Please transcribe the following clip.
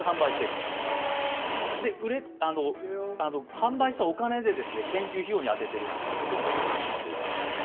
販売したお金で研究費用に充てているなんていうことも言っていましたね。